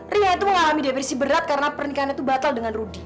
ria itu mengalami depresi berat karena pernikahan itu batal dengan rudy